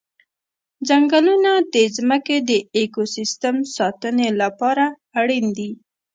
ځنګلونه د ځمکې د اکوسیستم ساتنې لپاره اړین دي.